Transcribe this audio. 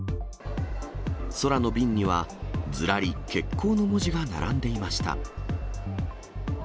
空の便にはずらり欠航の文字が並んでいました。